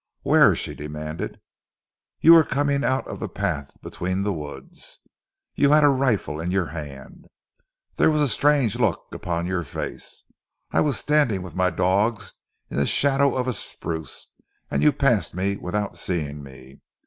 "Where?" she demanded. "You were coming out of the path between the woods. You had a rifle in your hand. There was a strange look upon your face. I was standing with my dogs in the shadow of a spruce and you passed me without seeing me.